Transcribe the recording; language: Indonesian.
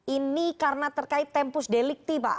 ini karena terkait tempus delikti pak